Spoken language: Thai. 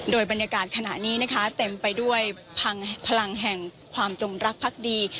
โดยบรรยากาศขณะนี้นะคะเต็มไปด้วยพลังแห่งความจงรักพักดี